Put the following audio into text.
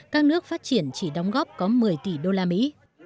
các nước phát triển chỉ đóng góp có một mươi tỷ đô la mỹ